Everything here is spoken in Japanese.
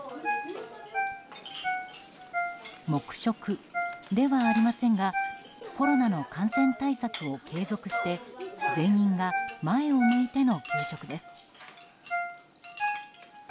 黙食ではありませんがコロナの感染対策を継続して全員が前を向いての給食です。